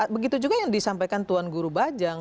begitu juga yang disampaikan tuan guru bajang